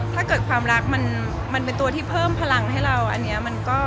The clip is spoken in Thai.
ถ้าเกิดความรักมันเป็นตัวที่เพิ่มพลังให้เรา